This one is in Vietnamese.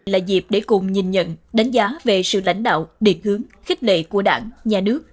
là dịp để cùng nhìn nhận đánh giá về sự lãnh đạo điện hướng khích lệ của đảng nhà nước